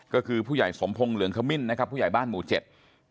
ก็คือผู้ใหญ่สมพงศ์เหลืองขมิ้นนะครับผู้ใหญ่บ้านหมู่เจ็ด